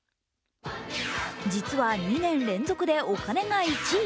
実は２年連続でお金が１位。